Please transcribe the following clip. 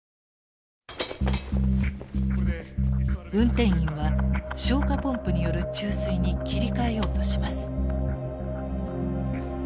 運転員は消火ポンプによる注水に切り替えようとします。